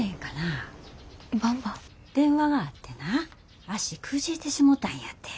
電話があってな足くじいてしもたんやて。